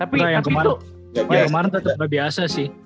tapi yang kemarin tetep gak biasa sih